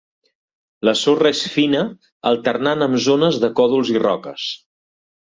La sorra és fina alternant amb zones de còdols i roques.